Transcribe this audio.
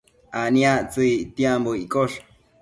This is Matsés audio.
aniactsëc ictiambo iccosh